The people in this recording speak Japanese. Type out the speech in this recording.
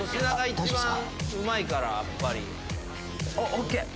ＯＫ。